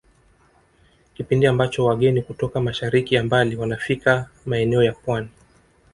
Kipindi ambacho wageni kutoka mashariki ya mbali wanafika maeneo ya Pwani